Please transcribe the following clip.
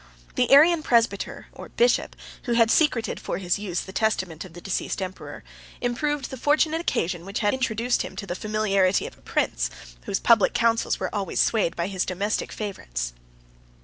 The Arian presbyter or bishop, who had secreted for his use the testament of the deceased emperor, improved the fortunate occasion which had introduced him to the familiarity of a prince, whose public counsels were always swayed by his domestic favorites.